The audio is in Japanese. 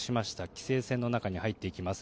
規制線の中に入っていきます。